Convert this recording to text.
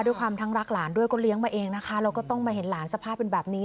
ด้วยความทั้งรักหลานด้วยก็เลี้ยงมาเองนะคะแล้วก็ต้องมาเห็นหลานสภาพเป็นแบบนี้